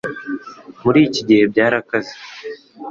muri iki gihe byarakaze